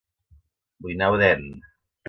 Vull anar a Odèn